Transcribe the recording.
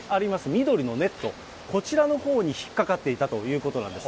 緑のネット、こちらのほうに引っ掛かっていたということなんです。